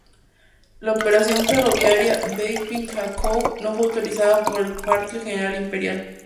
La Operación Ferroviaria Beiping-Hankou no fue autorizada por el Cuartel General Imperial.